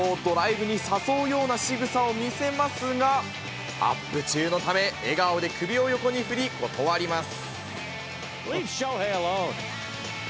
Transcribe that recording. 大谷選手をドライブに誘うようなしぐさを見せますが、アップ中のため、笑顔で首を横に振り、断ります。